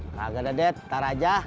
kagak dadet ntar aja